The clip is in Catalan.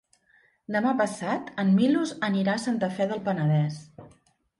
Demà passat en Milos anirà a Santa Fe del Penedès.